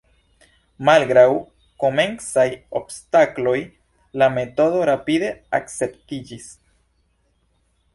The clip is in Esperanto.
Malgraŭ komencaj obstakloj, la metodo rapide akceptiĝis.